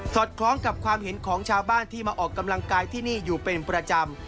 อดคล้องกับความเห็นของชาวบ้านที่มาออกกำลังกายที่นี่อยู่เป็นประจำ